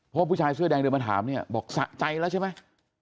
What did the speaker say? พวกผู้ชายเสื้อแดงเดินมาถามเขบอกสะใจใช่ไหม